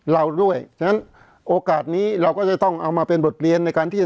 เราด้วยฉะนั้นโอกาสนี้เราก็จะต้องเอามาเป็นบทเรียนในการที่จะ